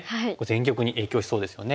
全局に影響しそうですよね。